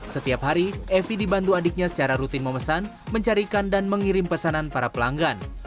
setiap hari evi dibantu adiknya secara rutin memesan mencarikan dan mengirim pesanan para pelanggan